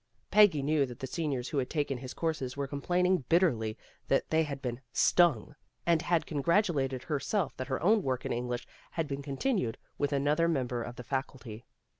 Peggy knew that the seniors who had taken his courses were complaining bitterly that they had been " stung, " and had congratulated her self that her own work in English had been con tinued with another member of the faculty.